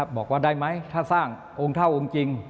บอกว่าได้ไหมถ้าสร้างองค์เท่าองค์จริง